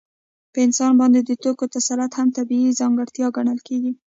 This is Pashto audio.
په انسان باندې د توکو تسلط هم طبیعي ځانګړتیا ګڼل کېږي